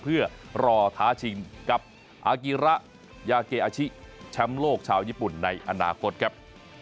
เพื่อรอท้าชิงกับอากิระยาเกอาชิแชมป์โลกชาวญี่ปุ่นในอนาคตครับ